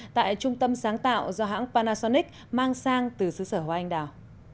tại trung tâm sáng tạo do hãng panasonic mang sang từ xứ sở hoa anh đào